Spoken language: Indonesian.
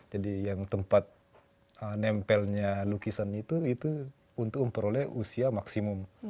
jadi yang tempat nempelnya lukisan itu untuk memperoleh usia maksimum